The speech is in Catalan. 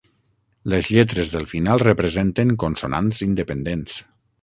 Les lletres del final representen consonants independents.